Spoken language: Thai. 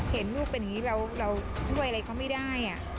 เห็นลูกเป็นอย่างนี้เราช่วยอะไรเขาไม่ได้